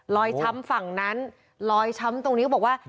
ช้ำฝั่งนั้นรอยช้ำตรงนี้เขาบอกว่า